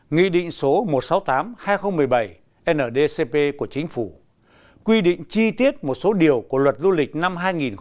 nghị định số một trăm sáu mươi tám hai nghìn một mươi bảy ndcp của chính phủ quy định chi tiết một số điều của luật du lịch năm hai nghìn một mươi bảy